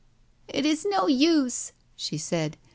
"It is no use," she said.